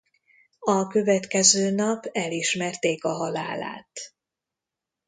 A következő nap elismerték a halálát.